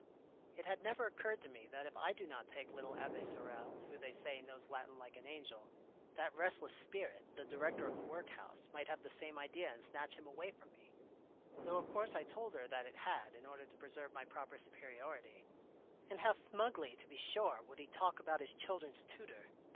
" It had never occurred to me that if I do not take little Abbe Sorel, who, they say, knows Latin like an angel, that restless spirit, the director of the workhouse, might have the same idea and snatch him away from me, though of course I told her that it had, in order to preserve my proper superiority. And how smugly, to be sure, would he talk about his children's tutor